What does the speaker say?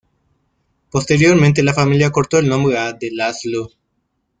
Posteriormente la familia acortó el nombre a "de László".